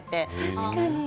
確かに。